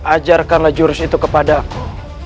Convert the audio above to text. ajarkanlah jurus itu kepada aku